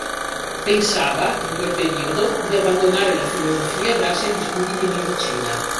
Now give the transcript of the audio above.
Pensava, in quel periodo, di abbandonare la filosofia e darsi agli studi di medicina.